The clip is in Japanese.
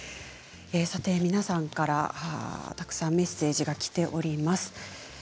皆さんからたくさんメッセージがきています。